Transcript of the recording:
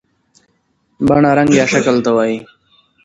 بڼه رنګ یا شکل ته وایي.